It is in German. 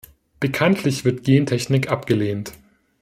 Bekanntlich wird Gentechnik abgelehnt.